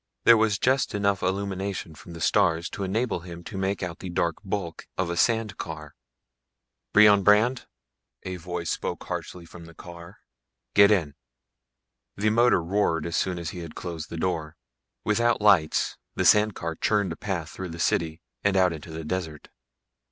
There was just enough illumination from the stars to enable him to make out the dark bulk of a sand car. "Brion Brandd?" a voice spoke harshly from the car. "Get in." The motor roared as soon as he had closed the door. Without lights the sand car churned a path through the city and out into the desert.